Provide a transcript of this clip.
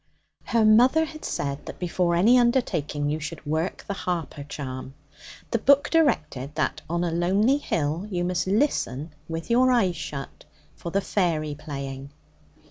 Her mother had said that before any undertaking you should work the Harper charm. The book directed that on a lonely hill, you must listen with your eyes shut for the fairy playing.